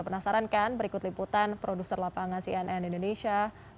penasaran kan berikut liputan produser lapangan cnn indonesia